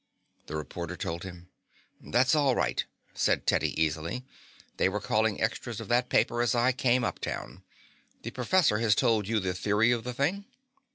The reporter told him. "That's all right," said Teddy easily. "They were calling extras of that paper as I came uptown. The professor has told you the theory of the thing?"